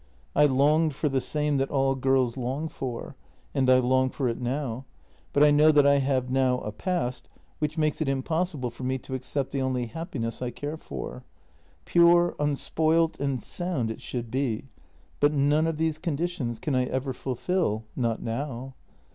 I longed for the same that all girls long for, and I long for it now, but I know that I have now a past which makes it impossible for me to accept the only happiness I care for. Pure, unspoilt, and sound it should be — but none of these conditions can I ever fulfil — not now.